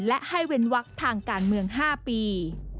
และให้เว้นวักทางการเมือง๕ปี